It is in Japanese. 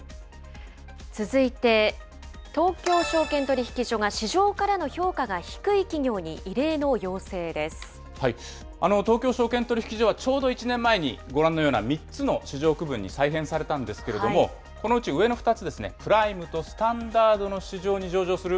続いて、東京証券取引所が市場からの評価が低い企業に異例の東京証券取引所は、ちょうど１年前に、ご覧のような３つの市場区分に再編されたんですけれども、このうち上の２つですね、プライムとスタンダードの市場に上場する